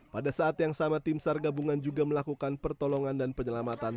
pada saat yang sama tim sar gabungan juga melakukan pertolongan dan penyelamatan